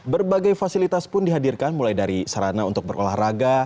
berbagai fasilitas pun dihadirkan mulai dari sarana untuk berolahraga